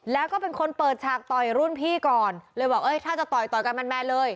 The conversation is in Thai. แล้วก็เป็นคนเปิดฉากต่อยรุ่นพี่ก่อนเลยบอกเอ้ยถ้าจะต่อยต่อยกันแมนเลย